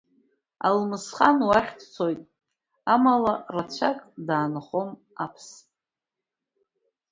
Алмасхан уахь дцоит, амала рацәак даанхом Аԥс.